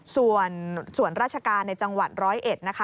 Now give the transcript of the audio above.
ส่วนราชการในจังหวัดร้อยเอ็ด